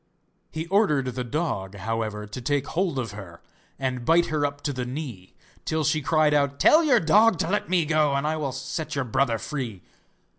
He ordered the dog, however, to take hold of her, and bite her up to the knee, till she cried out: 'Tell your dog to let me go and I will set your brother free!